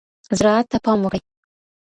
زراعت ته پام وکړئ.